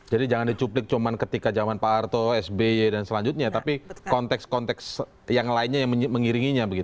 jadi jangan dicuplik cuman ketika zaman pak hartos sby dan selanjutnya tapi konteks konteks yang lainnya yang mengiringinya begitu